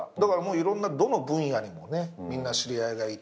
いろんなどの分野にもねみんな知り合いがいて。